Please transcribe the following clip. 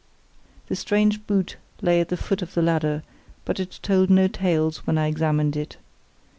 The strange boot lay at the foot of the ladder, but it told no tales when I examined it.